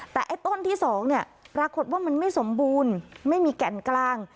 แต่ไอ้ต้นที่๒เนี่ยปรากฏว่ามันไม่สมบูรณ์ไม่มีแก่นกลาง